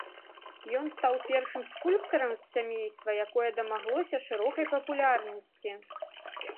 Ён стаў першым скульптарам з сямейства, якое дамаглося шырокай папулярнасці.